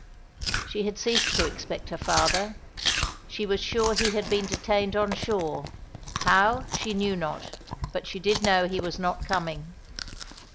She had ceased to expect her father. She was sure he had been detained on shore; how, she knew not. But she did know he was not coming.